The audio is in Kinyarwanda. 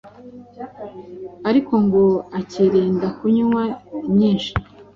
ariko ngo ukirinda kunywa nyinshi